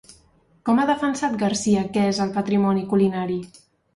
Com ha defensat Garcia que és el patrimoni culinari?